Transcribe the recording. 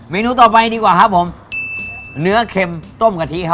เมนูต่อไปดีกว่าครับเนื้อเข็มต้มกะทิ